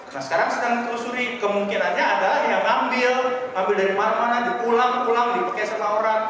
nah sekarang sedang dikelusuri kemungkinannya ada yang ngambil ngambil dari mana mana dipulang pulang dipakai sama orang